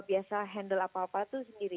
biasa handle apa apa itu sendiri